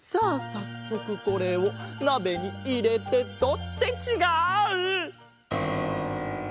さっそくこれをなべにいれてと。ってちがう！